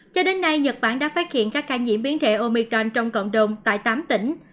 cho đến nay nhật bản đã phát hiện các ca nhiễm biến thể omitran trong cộng đồng tại tám tỉnh